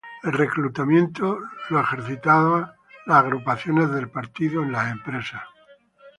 El reclutamiento era ejercido por las agrupaciones del Partido en las empresas.